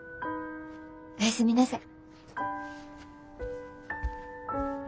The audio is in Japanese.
おやすみなさい。